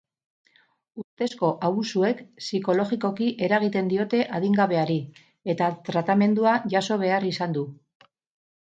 Ustezko abusuek psikologikoki eragin diote adingabeari, eta tratamendua jaso behar izan du.